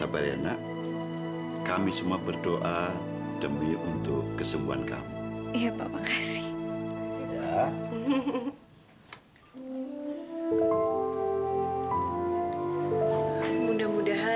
biar kami mempersiapkan semuanya untuk mbak diandra